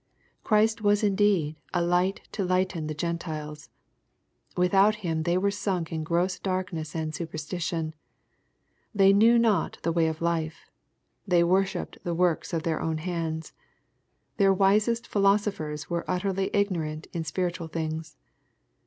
Christ was indeed " a light to lighten the Gentiles/' Without Him they were sunk in gross darkness and superstition. They knew not the way of life. They worshipped the works of their own hands. Their wisest philosophers were utterly ignorant in spiritual things.